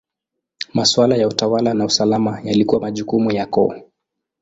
Maswala ya utawala na usalama yalikuwa majukumu ya koo.